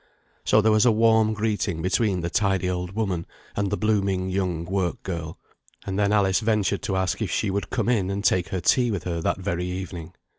So there was a warm greeting between the tidy old woman and the blooming young work girl; and then Alice ventured to ask if she would come in and take her tea with her that very evening.